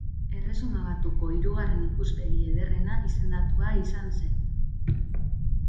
Erresuma Batuko hirugarren ikuspegi ederrena izendatua izan zen.